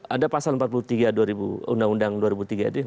ada pasal empat puluh tiga undang undang dua ribu tiga itu